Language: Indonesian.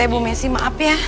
pak rt bu messi maaf ya